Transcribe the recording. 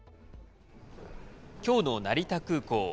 きょうの成田空港。